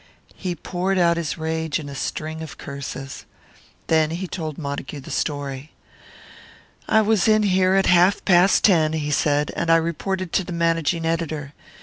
He poured out his rage in a string of curses. Then he told Montague the story. "I was in here at half past ten," he said, "and I reported to the managing editor.